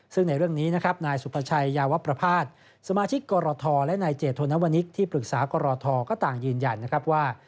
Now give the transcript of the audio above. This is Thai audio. ซึ่งในเรื่องนี้นะครับนายสุภาชัยยาวประพาทสมาชิกกรทและนายเจธนวนิกที่ปรึกษากรทก็ต่างยืนยันนะครับว่า